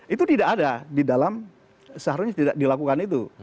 itu tidak ada di dalam seharusnya tidak dilakukan itu